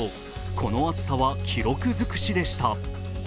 この暑さは記録尽くしでした。